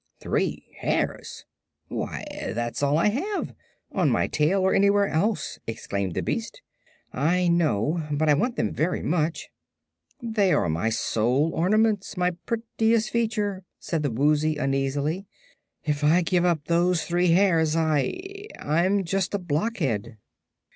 "Three hairs! Why, that's all I have on my tail or anywhere else," exclaimed the beast. "I know; but I want them very much." "They are my sole ornaments, my prettiest feature," said the Woozy, uneasily. "If I give up those three hairs I I'm just a blockhead."